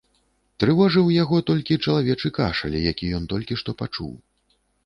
Трывожыў яго толькі чалавечы кашаль, які ён толькі што пачуў.